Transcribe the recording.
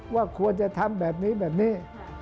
ว่าควรจะทำแบบนี้แบบนี้